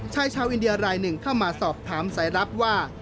ชายชาวอินเดียรายหนึ่งเข้ามาสอบถามสายรับว่า